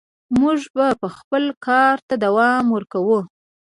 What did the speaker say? موږ به خپل کار ته دوام ورکوو.